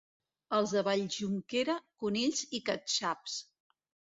Els de Valljunquera, conills i catxaps.